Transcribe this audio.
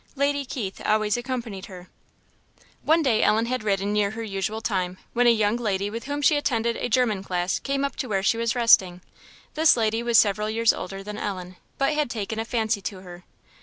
Lady Keith always accompanied her. One day Ellen had ridden near her usual time, when a young lady with whom she attended a German class came up to where she was resting. This lady was several years older than Ellen, but had taken a fancy to her.